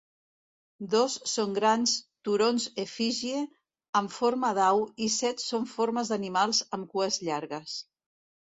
Dos són grans turons-efígie amb forma d'au i set són formes d'animals amb cues llargues.